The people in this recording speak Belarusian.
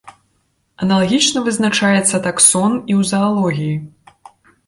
Аналагічна вызначаецца таксон і ў заалогіі.